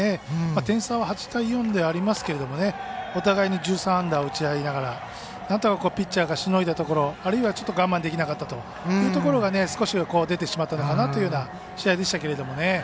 点差は８対４でありますがお互いに１３安打を打ち合いながらなんとかピッチャーがしのいだところ、あるいは我慢できなかったところが少し、出てしまったのかなという試合でしたけどね。